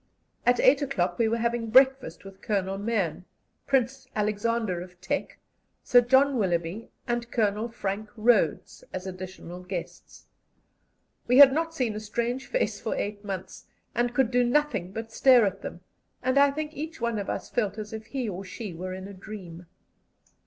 At eight o'clock we were having breakfast with Colonel Mahon, Prince Alexander of Teck, Sir John Willoughby, and Colonel Frank Rhodes, as additional guests. We had not seen a strange face for eight months, and could do nothing but stare at them, and I think each one of us felt as if he or she were in a dream.